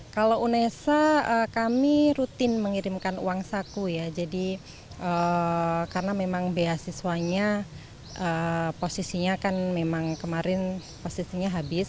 kalau unesa kami rutin mengirimkan uang saku ya jadi karena memang beasiswanya posisinya kan memang kemarin posisinya habis